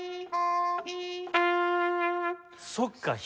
そっか。